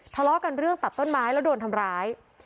ทะเลาะกันเรื่องตัดต้นไม้แล้วโดนทำร้าย